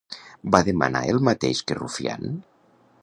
Va demanar el mateix que Rufián?